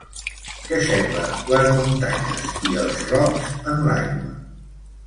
Què semblen les muntanyes i els rocs en l'aigua?